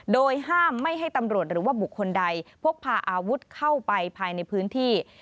โดยห้ามไม่ให้ตำรวจหรือว่าบุคคลใดพกพาอาวุธเข้าไปภายในพื้นที่